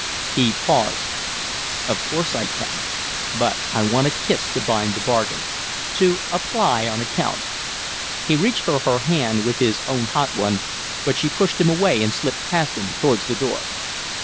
He paused. "Of course I can, but I want a kiss to bind the bargain to apply on account." He reached for her hand with his own hot one, but she pushed him away and slipped past him towards the door.